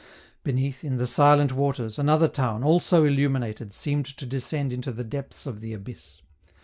Beneath, in the silent waters, another town, also illuminated, seemed to descend into the depths of the abyss.